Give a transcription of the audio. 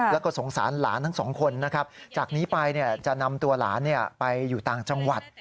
แล้วก็สงสารหลานทั้งสองคนนะครับจากนี้ไปจะนำตัวหลานไปอยู่ต่างจังหวัด